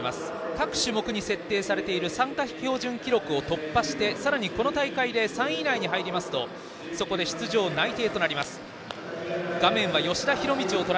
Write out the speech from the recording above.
各種目に設定されている参加標準記録を突破して、さらにこの大会で３位以内に入りますとそこで出場内定となります。